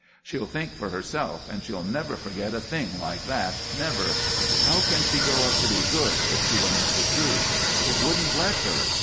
She'll think for herself, and she'll never forget a thing like that, never. How can she grow up to be good if she learns the truth? It wouldn't let her.